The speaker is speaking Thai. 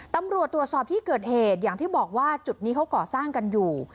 ตำรวจตรวจสอบที่เกิดเหตุอย่างที่บอกว่าจุดนี้เขาก่อสร้างกันอยู่